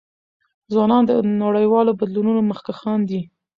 ځوانان د نړیوالو بدلونونو مخکښان دي.